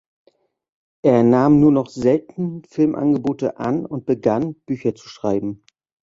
Er nahm nur noch selten Filmangebote an und begann, Bücher zu schreiben.